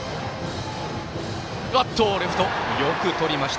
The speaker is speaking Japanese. レフト、よくとりました。